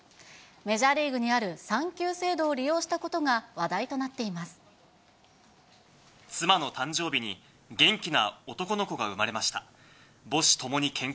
メジャーリーグにある産休制度を利用したことが話題となっていま妻の誕生日に元気な男の子が生まれました。